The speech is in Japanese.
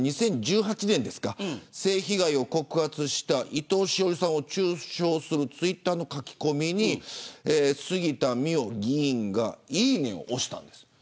２０１８年に性被害を告発した伊藤詩織さんを中傷するツイッターの書き込みに杉田水脈議員がいいねを押したんです。